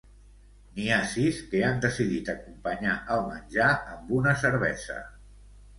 N'hi ha sis que han decidit acompanyar el menjar amb una cervesa.